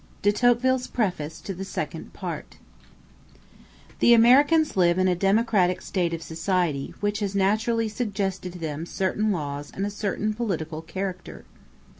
De Tocqueville's Preface To The Second Part The Americans live in a democratic state of society, which has naturally suggested to them certain laws and a certain political character.